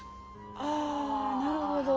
あなるほど。